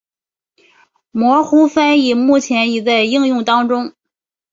模糊翻译目前已在应用当中。